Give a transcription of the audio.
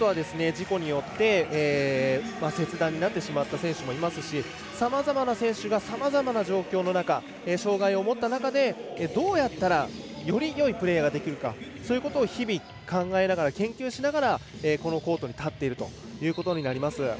あとは、事故によって切断になってしまう選手もいますしさまざまな選手がさまざまな状況でどうやったらよりよいプレーができるかそういうことを日々考えながら研究しながらこのコートに立っているということになります。